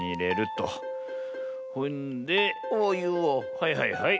はいはいはい。